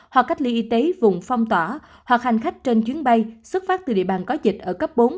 hoặc cách ly y tế vùng phong tỏa hoặc hành khách trên chuyến bay xuất phát từ địa bàn có dịch ở cấp bốn